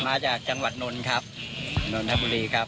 มาจากจังหวัดนนท์ครับมาตั้งแต่๙โมงเท้าครับ